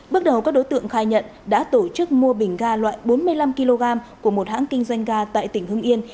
bước đầu các đối tượng khai nhận đã tổ chức mua bình ga loại bốn mươi năm kg của một hãng kinh doanh ga tại tỉnh hưng yên